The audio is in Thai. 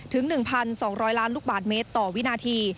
ถึง๑๒๐๐ล้านลูกบาทเมตรต่อวินาที